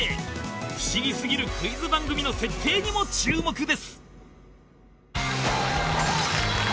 不思議すぎるクイズ番組の設定にも注目です